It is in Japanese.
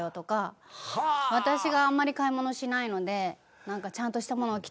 私があんまり買い物しないので何かちゃんとしたものを着てほしいのか。